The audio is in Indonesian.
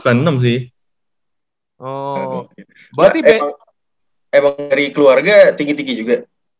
emang dari keluarga tinggi tinggi juga